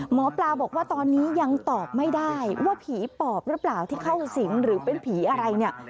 หมอปลาบอกว่าตอนนี้ยังตอบไม่ได้ว่าผีปอบหรือเปล่าที่เข้าสิงหรือเป็นผีอะไรเนี่ย